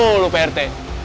apa dulu pak rt